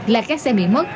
là các xe bị mất